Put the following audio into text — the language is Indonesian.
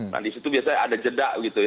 nah di situ biasanya ada jeda gitu ya